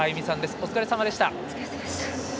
お疲れさまでした。